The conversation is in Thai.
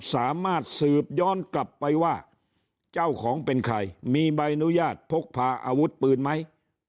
สามารถสืบย้อนกลับไปว่าเจ้าของเป็นใครมีใบอนุญาตพกพาอาวุธปืนไหม